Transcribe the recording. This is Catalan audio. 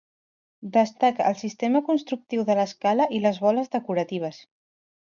Destaca el sistema constructiu de l'escala i les boles decoratives.